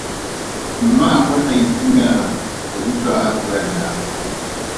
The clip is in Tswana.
Mmaagwe a itumela go utlwa a bua jalo.